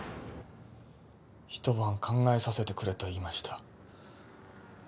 一晩考えさせてくれと言いました。